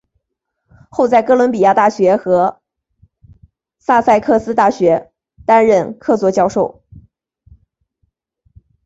后在哥伦比亚大学和萨塞克斯大学担任客座教授。